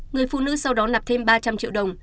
người phụ nữ sau đó nạp thêm ba trăm linh triệu đồng